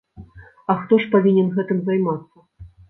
А хто ж павінен гэтым займацца?